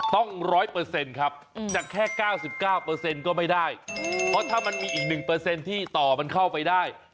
ต้อง๑๐๐ครับจะแค่๙๙ก็ไม่ได้เพราะถ้ามันมีอีก๑ที่ต่อมันเข้าไปได้